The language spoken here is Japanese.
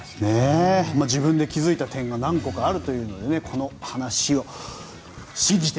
自分で気づいた点が何個かあるというのでこの話を信じて。